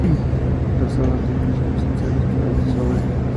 Las aguas limpias son esenciales para el desove.